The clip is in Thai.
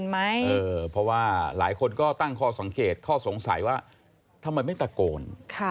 ไม่เป็นแบบนี้ของผมไม่เห็นยังไอเป็นนก